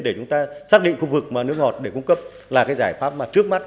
để chúng ta xác định khu vực mà nước ngọt để cung cấp là cái giải pháp mà trước mắt